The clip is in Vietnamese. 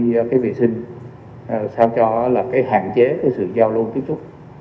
cái vệ sinh sao cho là cái hạn chế cái sự giao lưu tiếp xúc